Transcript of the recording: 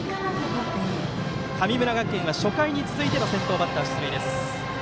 神村学園は初回に続いての先頭バッター出塁です。